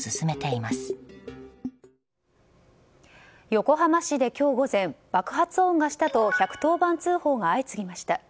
横浜市で今日午前爆発音がしたと１１０番通報が相次ぎました。